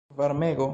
Varmego?